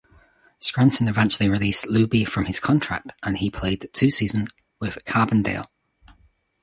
Scranton eventually released Luby from his contract and he played two seasons with Carbondale.